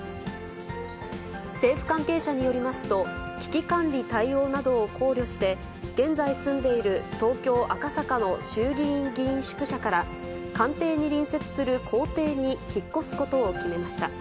政府関係者によりますと、危機管理対応などを考慮して、現在住んでいる東京・赤坂の衆議院議員宿舎から、官邸に隣接する公邸に引っ越すことを決めました。